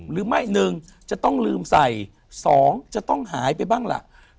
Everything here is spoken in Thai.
หรือไม่๑จะต้องลืมใส่๒จะต้องหายไปบ้างล่ะ